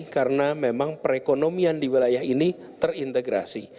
karena memang perekonomian di wilayah ini terintegrasi